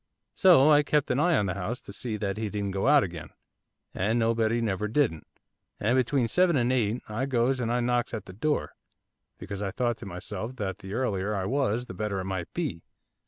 So I kept an eye on the house, to see that he didn't go out again, and nobody never didn't, and between seven and eight I goes and I knocks at the door, because I thought to myself that the earlier I was the better it might be.